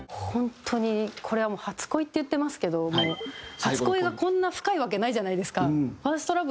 本当にこれはもう「初恋」って言ってますけども初恋がこんな深いわけないじゃないですか。